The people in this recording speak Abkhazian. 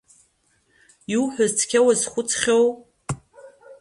Иуҳәаз цқьа уазхәыцхьоу?